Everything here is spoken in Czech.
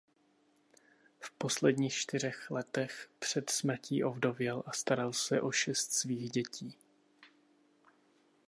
V posledních čtyřech letech před smrtí ovdověl a staral se o šest svých dětí.